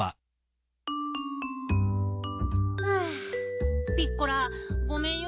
はあピッコラごめんよ。